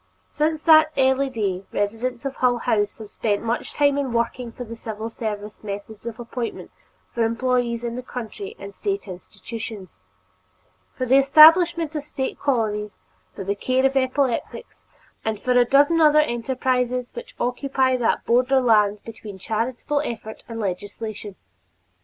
Since that early day, residents of Hull House have spent much time in working for the civil service methods of appointment for employees in the county and State institutions; for the establishment of State colonies for the care of epileptics; and for a dozen other enterprises which occupy that borderland between charitable effort and legislation.